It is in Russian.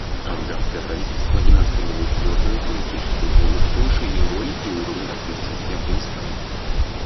Афганское правительство демонстрирует твердую политическую волю к повышению роли и уровня ответственности Афганистана.